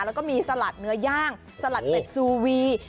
แล้วก็มีสลัดเนื้อย่างสลัดเป็ดซูวี